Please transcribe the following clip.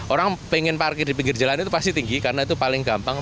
orang pengen parkir di pinggir jalan itu pasti tinggi karena itu paling gampang